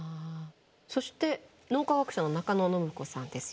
そして脳科学者の中野信子さんです。